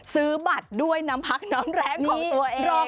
ซื้อบัตรด้วยน้ำพักน้ำแรงของตัวเอง